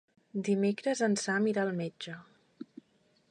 Dimecres en Sam irà al metge.